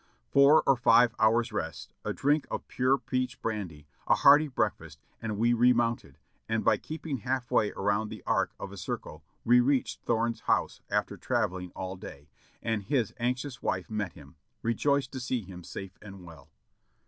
Four or five hours' rest, a drink of pure peach brandy, a hearty breakfast, and we remounted, and by keeping half way around the arc of a circle we reached Thome's house after traveling all day, and his anxious wife met him, rejoiced to see him safe and well.